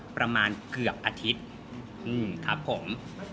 ประมาณเกือบอาทิตย์ครับผม